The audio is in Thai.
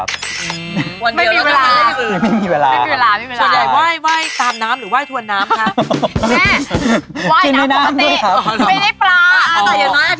คนรักผมก็ต้องชอบเหมือนกัน